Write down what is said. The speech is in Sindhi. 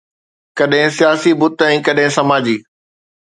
ڪڏهن سياسي بت ۽ ڪڏهن سماجي